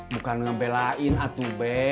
bukan ngebelain atu be